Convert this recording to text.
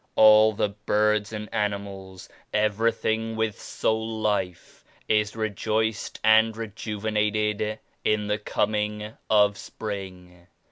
All the birds and animals, everything with soul life is re joiced and rejuvenated in the coming of Spring.